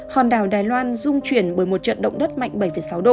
hòn đảo đài loan dung chuyển bởi một trận động đất mạnh bảy sáu độ